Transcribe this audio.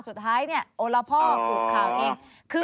สุดท้ายเนี่ยโอละพ่อกุข่าวเอง